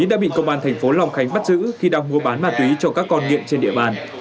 đã bị công an thành phố long khánh bắt giữ khi đang mua bán ma túy cho các con nghiện trên địa bàn